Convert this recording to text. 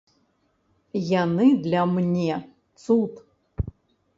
Яны для мне цуд.